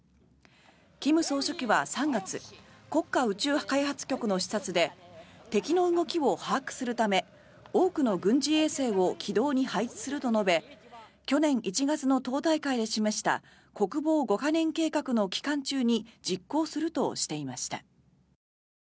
金総書記は３月国家宇宙開発局の視察で敵の動きを把握するため多くの軍事衛星を軌道に配置すると述べ去年１月の党大会で示した国防五カ年計画の期間中に実行するとしていました。